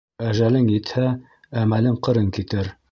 Әжәлең етһә, әмәлең ҡырын китер.